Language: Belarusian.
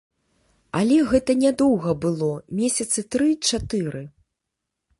Але гэта нядоўга было, месяцы тры-чатыры.